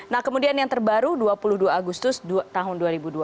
nah kemudian yang terbaru dua puluh dua agustus tahun dua ribu dua puluh